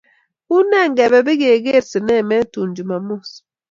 Unee ngebe bigeger sinemet tun jumamos